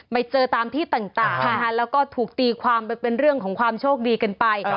ไปเจอตามที่ต่างนะคะแล้วก็ถูกตีความไปเป็นเรื่องของความโชคดีกันไป